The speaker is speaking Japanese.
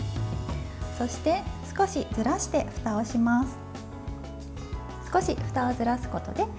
そして少しずらしてふたをします。